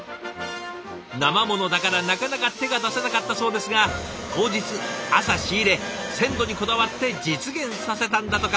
生ものだからなかなか手が出せなかったそうですが当日朝仕入れ鮮度にこだわって実現させたんだとか。